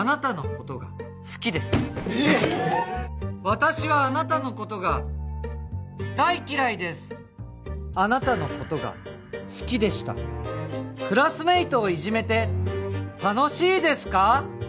私はあなたのことが大嫌いですあなたのことが好きでしたクラスメイトをイジめて楽しいですか？